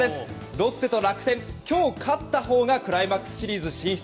ロッテと楽天、今日勝ったほうがクライマックスシリーズ進出。